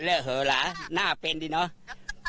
เล่าเหอะละน่าเป็นดีเนาะ